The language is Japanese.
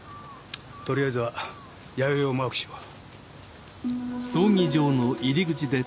とりあえずは弥生をマークしよう。